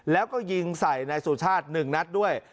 แล้วก็ยิงใส่นายสุชาติ๑นัดด้วย